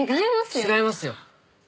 違いますよ。